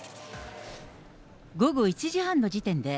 午後１時半の時点で、